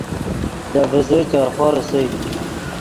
لے ڤیزے چرخو ریسئے